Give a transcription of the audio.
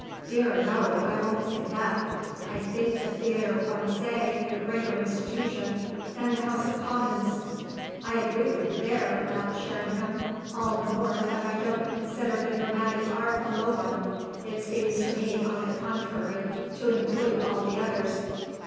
"Dear no, I won't say that. I think the Théâtre Français a greater institution than the House of Commons." "I agree with you there!" laughed Sherringham; "all the more that I don't consider the dramatic art a low one. It seems to me on the contrary to include all the others."